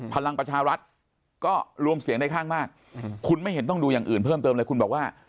พลังประชารัฐก็รวมเสียงได้ข้างมากคุณไม่เห็นต้องดูอย่างอื่นเพิ่มเติมเลยคุณบอกว่า